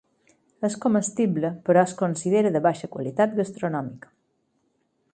És comestible però es considera de baixa qualitat gastronòmica.